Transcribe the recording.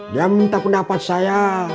dan minta pendapat saya